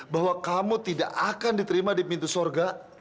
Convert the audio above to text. bahwa kamu tidak akan diterima di pintu surga